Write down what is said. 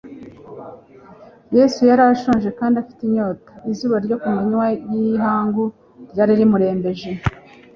Yesu yari ashonje kandi afite inyota. Izuba ryo ku manywa y’ihangu ryari rimurembeje.